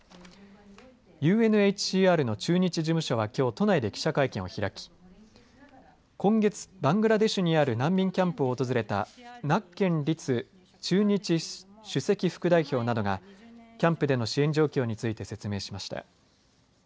ＵＮＨＣＲの駐日事務所はきょう都内で記者会見を開き今月、バングラデシュにある難民キャンプ訪れたナッケン鯉都駐日首席副代表などがキャンプでの支援状況について説明しました。